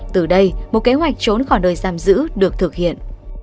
từ đây một kế hoạch trốn khỏi nơi giam giữ được thực hiện